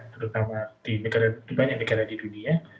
terutama di banyak negara di dunia